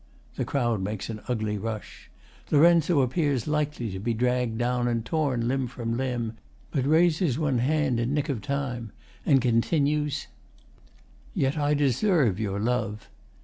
[The crowd makes an ugly rush. LOR. appears likely to be dragged down and torn limb from limb, but raises one hand in nick of time, and continues:] Yet I deserve your love.